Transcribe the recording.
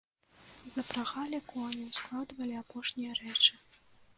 Запрагалі коні, ускладвалі апошнія рэчы.